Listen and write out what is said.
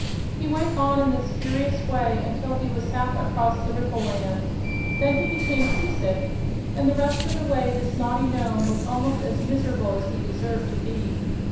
He went on in this furious way until he was half across the Ripple Land. Then he became seasick, and the rest of the way this naughty Nome was almost as miserable as he deserved to be.